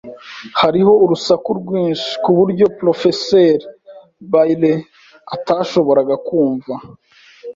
Hariho urusaku rwinshi kuburyo Porofeseri Bayley atashoboraga kumva.